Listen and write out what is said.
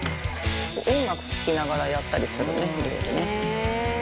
音楽聴きながらやったりするね料理ね。